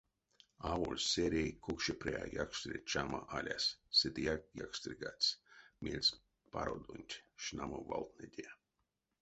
Аволь сэрей, кокша пря, якстере чама алясь седеяк якстерьгадсь мельспародонть, шнамо валтнэде.